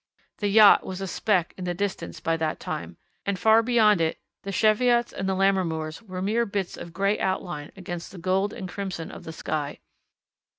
The yacht was a speck in the distance by that time, and far beyond it the Cheviots and the Lammermoors were mere bits of grey outline against the gold and crimson of the sky.